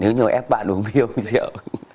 nếu như ép bạn uống bia rượu